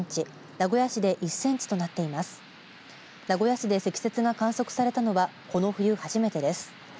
名古屋市で積雪が観測されたのはこの冬、初めてです。